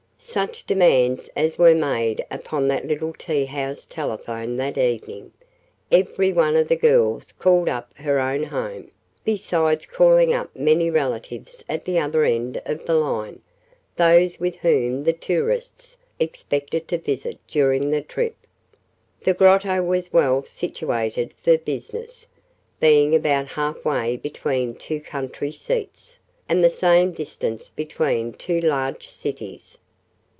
Such demands as were made upon that little tea house telephone that evening! Every one of the girls called up her own home, besides calling up many relatives at the other end of the line, those with whom the tourists expected to visit during the trip. The Grotto was well situated for business, being about half way between two country seats, and the same distance between two large cities.